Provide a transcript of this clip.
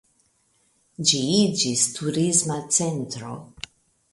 Ĝi iĝis turisma centro.